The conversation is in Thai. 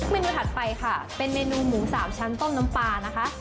เมนูถัดไปค่ะเป็นเมนูหมูสามชั้นต้มน้ำปลานะคะ